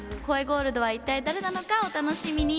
ゴールドは一体誰なのかお楽しみに。